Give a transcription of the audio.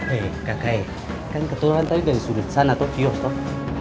hei kakai kan keturunan tadi dari sudut sana tuh pios tuh